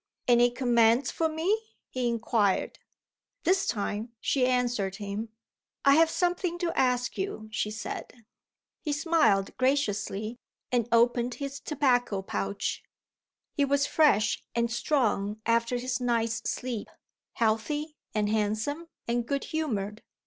"Any commands for me?" he inquired This time she answered him. "I have something to ask you," she said. He smiled graciously, and opened his tobacco pouch. He was fresh and strong after his night's sleep healthy and handsome and good humored.